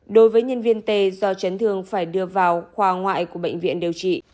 đối với nhân viên t do chấn thương phải đưa vào khoa ngoại của bệnh viện điều trị